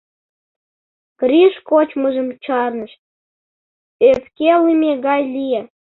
Гриш кочмыжым чарныш, ӧпкелыме гай лие.